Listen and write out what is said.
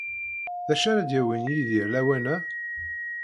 D acu ara d-yawin Yidir lawan-a?